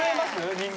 人間。